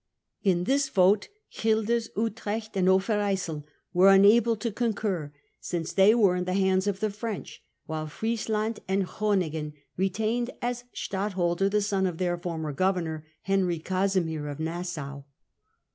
In this vote Guelders, Utrecht, and Overyssel were unable to concur, since they were in the hands of the French ; while Friesland and Groningen retained as Stadtholder the son of their former governor, Henry Casimirof Nassau.